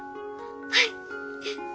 はい！